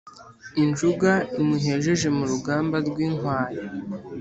Injunga imuhejeje mu rugamba rw’inkwaya